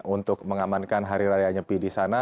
untuk mengamankan hari raya nyepi di sana